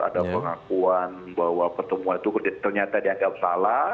ada pengakuan bahwa pertemuan itu ternyata dianggap salah